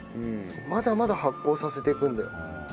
まだまだ発酵させていくんだよ。